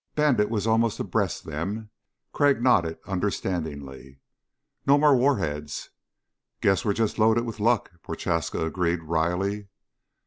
Bandit was almost abreast them. Crag nodded understandingly. "No more warheads." "Guess we're just loaded with luck," Prochaska agreed wryly.